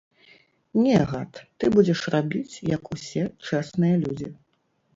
Не, гад, ты будзеш рабіць, як усе чэсныя людзі.